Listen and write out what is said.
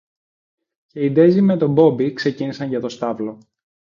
Και η Ντέιζη με τον Μπόμπη ξεκίνησαν για το στάβλο